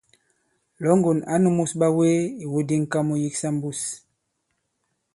Lɔ̌ŋgòn ǎ nūmus ɓawee ìwu di ŋ̀ka mu yiksa mbus.